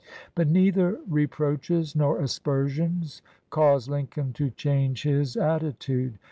But neither reproaches nor aspersions caused Lincoln to change his attitude.